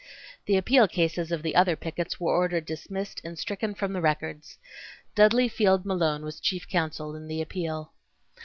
The appeal cases of the other pickets were ordered dismissed and stricken from the records. Dudley Field Malone was chief counsel in the appeal.